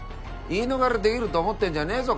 言い逃れできると思ってんじゃねぇぞ